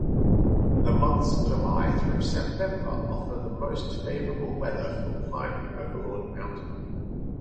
The months July through September offer the most favorable weather for climbing Overlord Mountain.